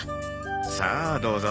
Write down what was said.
さあどうぞ。